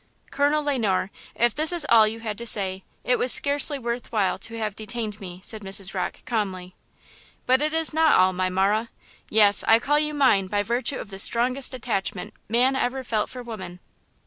"Colonel Le Noir, if this is all you had to say, it was scarcely worth while to have detained me," said Mrs. Rocke calmly. "But it is not all, my Marah! Yes, I call you mine by virtue of the strongest attachment man ever felt for woman!